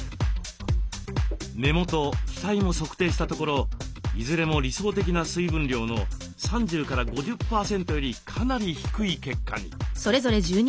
目元額も測定したところいずれも理想的な水分量の３０５０％よりかなり低い結果に。